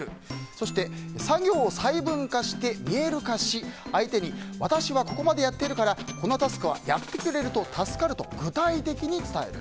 そして、作業を細分化して見える化し相手に、私はここまでやっているから、このタスクはやってくれると助かると具体的に伝える。